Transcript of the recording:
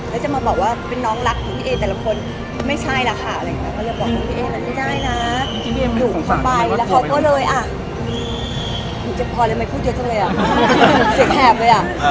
แล้วจะมาบอกว่าเป็นน้องรักทุกทีแม้นแต่ละคนไม่ใช่แหละค่ะอย่าบอกพี่เอ๋ไม่ได้ทุกคนไป